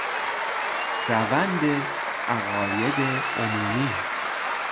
روند عقاید عمومی